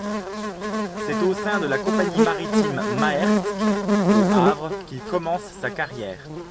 C'est au sein de la compagnie maritime Maersk, au Havre, qu'il commence sa carrière.